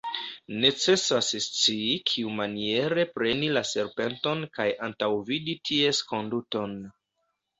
Necesas scii kiumaniere preni la serpenton kaj antaŭvidi ties konduton.